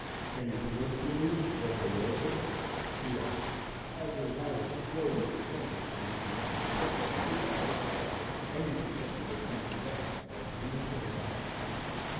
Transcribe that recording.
"Any political news from below, Bill?" he asked, as the latter slowly descended from his lofty perch, without, however, any perceptible coming down of mien or manner.